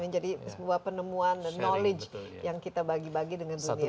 jadi sebuah penemuan dan knowledge yang kita bagi bagi dengan dunia internasional